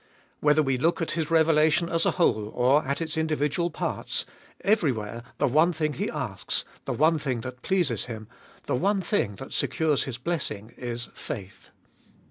Whether we look at His revelation as a whole, or at its individual parts, everywhere the one thing He asks, the one thing that pleases Him, the one thing that secures His blessing is — faith.